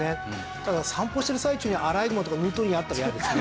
ただ散歩してる最中にアライグマとかヌートリアに会ったら嫌ですね。